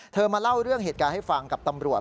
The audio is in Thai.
มาเล่าเรื่องเหตุการณ์ให้ฟังกับตำรวจ